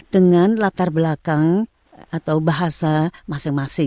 dengan latar belakang atau bahasa masing masing